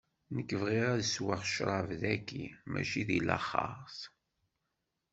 Nekk bɣiɣ ad sweɣ ccrab dagi, mačči deg laxeṛt.